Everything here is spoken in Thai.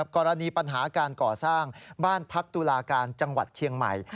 กรณีปัญหาการก่อสร้างบ้านพักตุลาการจังหวัดเชียงใหม่